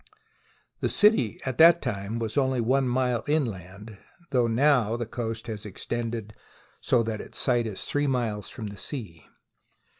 The city at the time was only one mile inland, though now the coast has so extended that its site is three miles from the sea.